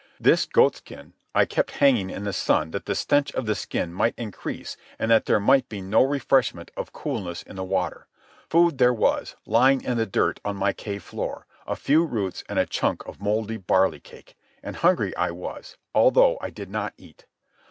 This goatskin I kept hanging in the sun that the stench of the skin might increase and that there might be no refreshment of coolness in the water. Food there was, lying in the dirt on my cave floor—a few roots and a chunk of mouldy barley cake; and hungry I was, although I did not eat.